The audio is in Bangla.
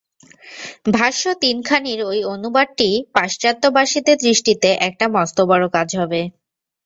ভাষ্য তিনখানির ঐ অনুবাদটি পাশ্চাত্যবাসীদের দৃষ্টিতে একটা মস্ত বড় কাজ হবে।